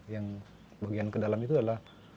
yang bagian ke dalam itu adalah